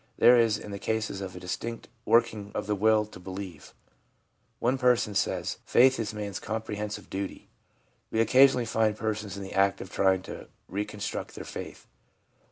There is in the cases a distinct working of the ' will to believe/ One person says 'faith is man's comprehensive duty/ We occa sionally find persons in the act of trying to reconstruct their faith.